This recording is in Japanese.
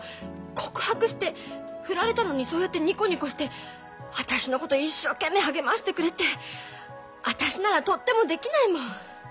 告白して振られたのにそうやってニコニコして私のこと一生懸命励ましてくれて私ならとってもできないもん。